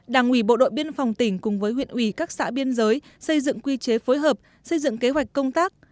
đảng ủy bộ đội biên phòng tỉnh cùng với huyện ủy các xã biên giới xây dựng quy chế phối hợp xây dựng kế hoạch công tác